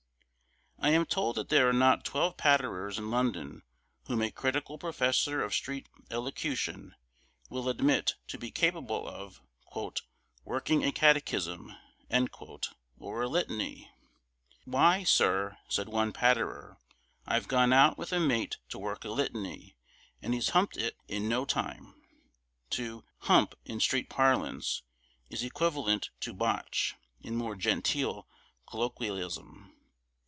I am told that there are not twelve patterers in London whom a critical professor of street elocution will admit to be capable of "working a catechism" or a litany. "Why, sir," said one patterer, "I've gone out with a mate to work a litany, and he's humped it in no time." To 'hump,' in street parlance, is equivalent to 'botch,' in more genteel colloquialism.